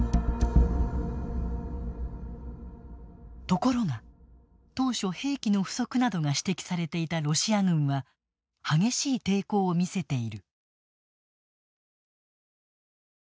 ところが、当初兵器の不足などが指摘されていたロシア軍は激しい抵抗を見せている。